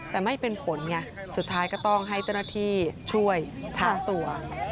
แต่ไม่เป็นผลไงสุดท้ายก็ต้องให้เจ้าหน้าที่ช่วยช้างตัว